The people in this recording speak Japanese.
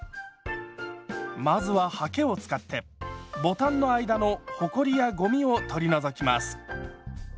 まずははけを使ってボタンの間のほこりやごみを取り除きます。